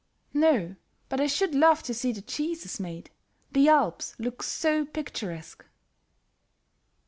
"No, but I should love to see the cheeses made; the alps look so picturesque."